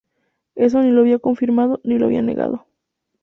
Eso ni lo había confirmado, ni lo había negado.